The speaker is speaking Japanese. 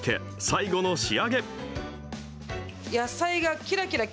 最後の仕上げ。